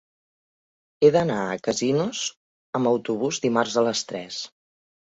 He d'anar a Casinos amb autobús dimarts a les tres.